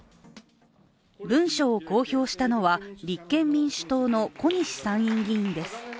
文書を公表したのは立憲民主党の小西参院議員です。